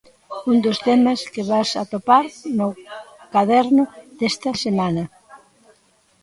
Un dos temas que vas atopar no caderno desta semana.